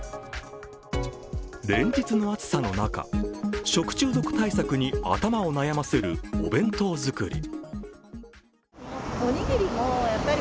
連日の暑さの中、食中毒対策に頭を悩ませるお弁当作り。